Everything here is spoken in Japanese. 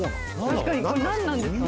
確かに何なんですかね？